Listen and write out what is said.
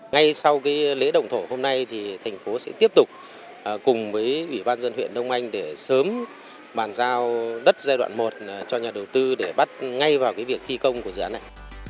ngay sau lễ động thổ hôm nay thì thành phố sẽ tiếp tục cùng với ủy ban dân huyện đông anh để sớm bàn giao đất giai đoạn một cho nhà đầu tư để bắt ngay vào việc thi công của dự án này